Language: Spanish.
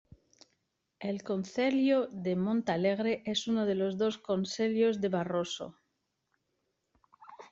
El concelho de Montalegre es uno de los dos concelhos de Barroso.